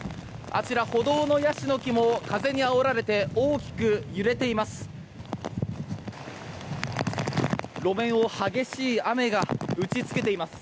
あちら、歩道のヤシの木も風にあおられて大きく揺れています。